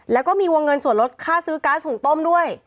แล้วก็มีวงเงินส่วนลดค่าซื้อก๊าซหุงต้มด้วย